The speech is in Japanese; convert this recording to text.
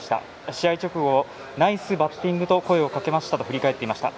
試合直後ナイスバッティングと声をかけましたと振り返っていました。